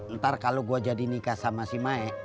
ntar kalo gue jadi nikah sama si mae